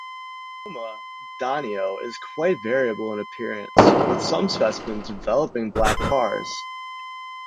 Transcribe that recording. The Yoma danio is quite variable in appearance, with some specimens developing black bars.